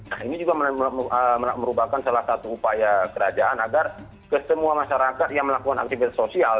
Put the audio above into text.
nah ini juga merupakan salah satu upaya kerajaan agar ke semua masyarakat yang melakukan aktivitas sosial